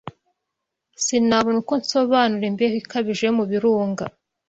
Sinabona uko nsobanura imbeho ikabije yo mu birunga